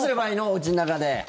おうちの中で。